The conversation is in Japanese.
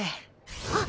あっ！